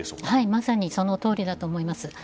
まさにそのとおりだと思います。